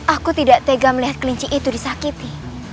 aku tidak tega melihat kelinci itu disakiti